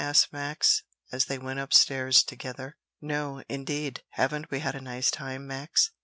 asked Max, as they went up stairs together. "No, indeed! Haven't we had a nice time, Max?